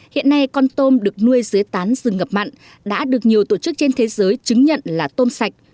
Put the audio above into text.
hiện nay con tôm được nuôi dưới tán rừng ngập mặn đã được nhiều tổ chức trên thế giới chứng nhận là tôm sạch